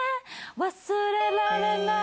忘れられない。